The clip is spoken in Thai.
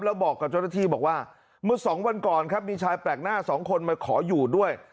แล้วบอกกับเจ้าหน้าที่บอกว่าเมื่อสองวันก่อนครับมีชายแปลกหน้าสองคนมาขออยู่ด้วย